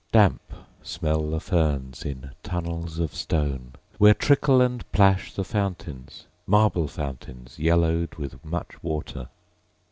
Damp smell the ferns in tunnels of stone, Where trickle and plash the fountains, Marble fountains, yellowed with much water.